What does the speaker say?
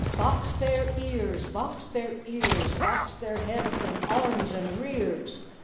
"Box their ears, box their ears! Box their heads and arms and rears!